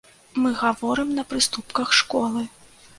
Мы гаворым на прыступках школы.